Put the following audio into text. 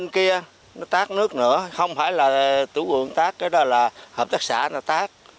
không phải là tử vượng tác cái đó là hợp tác xã nó tác